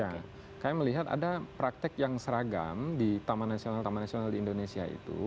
karena kami melihat ada praktek yang seragam di taman nasional taman nasional di indonesia itu